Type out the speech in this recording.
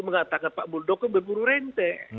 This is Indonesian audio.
mengatakan pak muldoko berburu rente